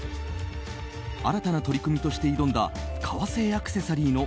新たな取り組みとして挑んだ革製アクセサリーの